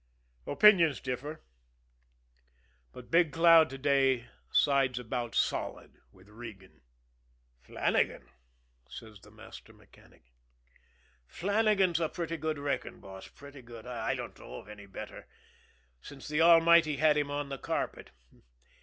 Opinions differ. But Big Cloud to day sides about solid with Regan. "Flannagan?" says the master mechanic. "Flannagan's a pretty good wrecking boss, pretty good, I don't know of any better since the Almighty had him on the carpet.